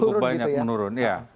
cukup banyak menurun ya